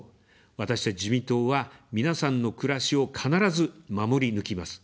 私たち自民党は皆さんの暮らしを必ず守り抜きます。